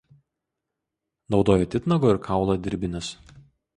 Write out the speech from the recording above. Naudojo titnago ir kaulo dirbinius.